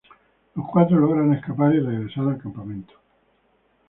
Los cuatro logran escapar y regresar al campamento.